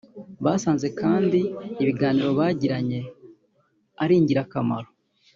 Basanze kandi ibiganiro bagiranye ari ingirakamaro